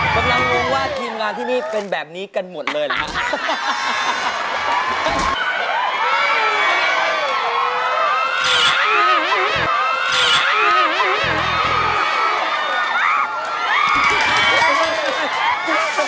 กำลังงงว่าทีมงานที่นี่เป็นแบบนี้กันหมดเลยหรือครับ